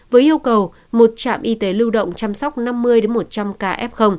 với yêu cầu một trạm y tế lưu động chăm sóc năm mươi một trăm linh ca f